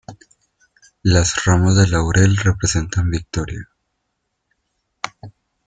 Las ramas de laurel representan victoria.